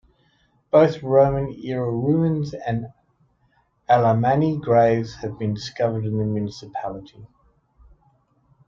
Both Roman era ruins and Alamanni graves have been discovered in the municipality.